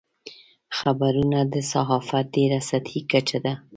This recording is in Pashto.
خبرونه د صحافت ډېره سطحي کچه ده.